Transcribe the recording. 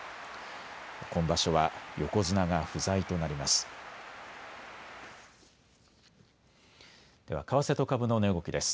今場所は横綱が不在となります。